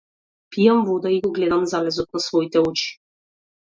Пијам вода, и го гледам залезот на своите очи.